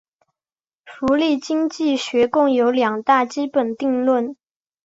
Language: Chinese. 福利经济学共有两大基本定理。